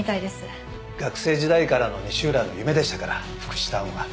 学生時代からの西浦の夢でしたから福祉タウンは。